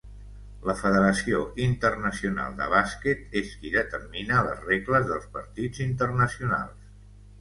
La Federació Internacional de Bàsquet és qui determina les regles pels partits internacionals.